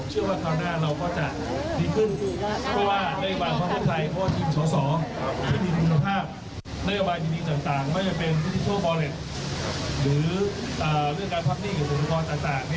หรือเรื่องการพักหนี้กับอุปกรณ์ต่าง